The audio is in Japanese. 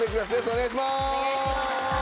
お願いします！